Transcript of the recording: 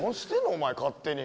お前勝手に。